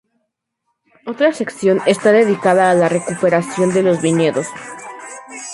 Otra sección está dedicada a la recuperación de los viñedos.